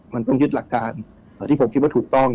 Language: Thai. มันต้องยึดหลักการที่ผมคิดว่าถูกต้อง